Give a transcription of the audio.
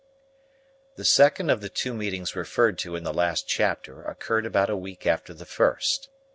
The second of the two meetings referred to in the last chapter occurred about a week after the first.